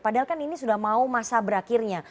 padahal kan ini sudah mau masa berakhirnya